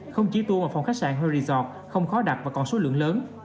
không chỉ tour vào phòng khách sạn hay resort không khó đặt và còn số lượng lớn